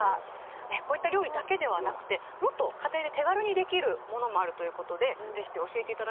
こういった料理だけではなくてもっと家庭で手軽にできるものもあるということではい。